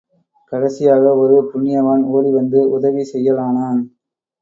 கடைசியாக ஒரு புண்ணியவான் ஓடி வந்து உதவி செய்யலானான்.